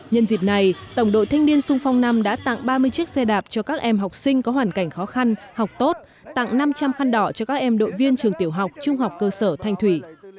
nhân dịp này tổng đội thanh niên sung phong năm đã tặng ba mươi chiếc xe đạp cho các em học sinh có hoàn cảnh khó khăn học tốt tặng năm trăm linh khăn đỏ cho các em đội viên trường tiểu học trung học cơ sở thanh thủy